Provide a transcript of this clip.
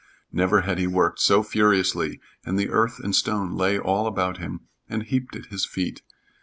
Never had he worked so furiously, and the earth and stone lay all about him and heaped at his feet.